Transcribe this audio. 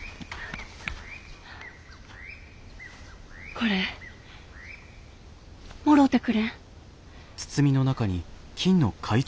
これもろうてくれん？